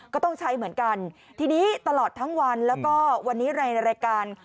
ก็ต้องใช้เหมือนกันทีนี้ตลอดทั้งวันแล้วก็วันนี้ในรายการ